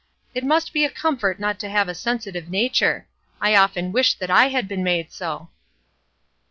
It must be a comfort not to have a sensitive nature; I often wish that I had been made so."